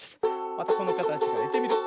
またこのかたちからいってみるよ。